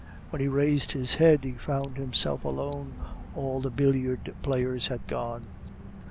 When he raised his head, he found himself alone, all the billiard players had gone.